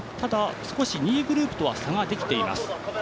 少し２位グループとは差ができています。